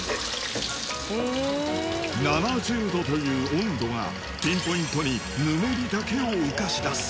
７０℃という温度がピンポイントに「ぬめり」だけを浮かし出す。